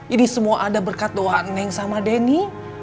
ini semua ada berkat doa neng sama denny